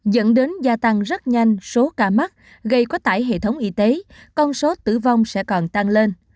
dẫn đến gia tăng rất nhanh số ca mắc gây quá tải hệ thống y tế con số tử vong sẽ còn tăng lên